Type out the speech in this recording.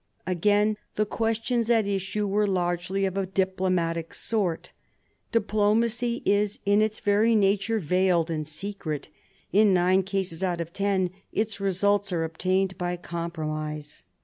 Again, the questions at issue are largely of a diplo matic sort Diplomacy is in its very nature veiled and secret : in nine cases out of ten its results are obtained by compromise.